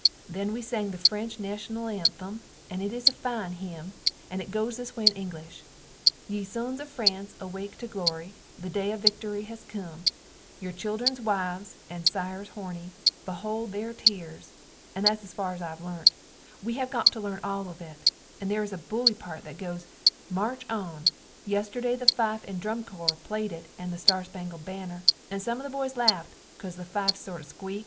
Then we sang the french nashunal anthem and it is a fine him, and it goes this way in English: Ye sons of France awake to glory, the day of victory has come, your childrens wives, and sires horny, behold there tears and thats as far as Ive lernt, we have got to lern all of it, and their is a buly part that goes, March on. Yesterday the fife and drum corpse plaid it and the Star Spangled Banner and some of the boys lafft becaus the fifes sort of sqweekt.